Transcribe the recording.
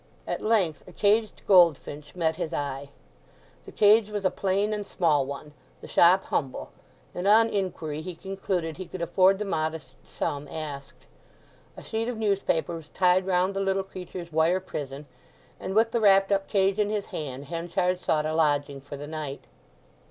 At length a caged goldfinch met his eye. The cage was a plain and small one, the shop humble, and on inquiry he concluded he could afford the modest sum asked. A sheet of newspaper was tied round the little creature's wire prison, and with the wrapped up cage in his hand Henchard sought a lodging for the night.